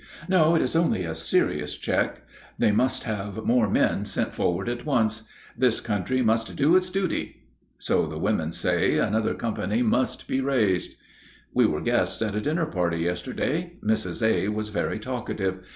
"No, it is only a serious check; they must have more men sent forward at once. This country must do its duty." So the women say another company must be raised. We were guests at a dinner party yesterday. Mrs. A. was very talkative.